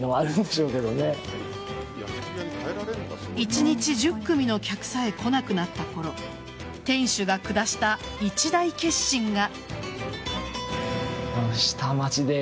一日１０組の客さえ来なくなったころ店主が下した一大決心が。